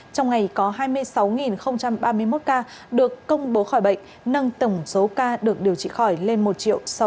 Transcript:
trong ngày có hai mươi sáu ba mươi một ca được công bố khỏi bệnh nâng tổng số ca được điều trị khỏi lên một sáu trăm sáu mươi một chín trăm ba mươi ca